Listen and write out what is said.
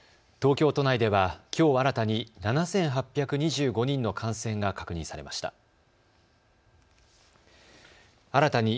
東京都内ではきょう新たに７８２５人の感染が確認されました。